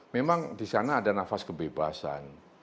memang di sana ada nafas kebebasan